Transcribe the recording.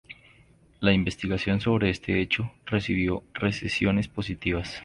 La investigación sobre este hecho recibió recensiones positivas.